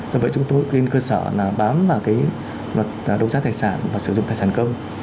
do vậy chúng tôi trên cơ sở là bám vào cái luật đấu giá tài sản và sử dụng tài sản công